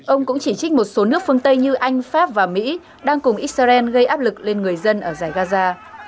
ông cũng chỉ trích một số nước phương tây như anh pháp và mỹ đang cùng israel gây áp lực lên người dân ở giải gaza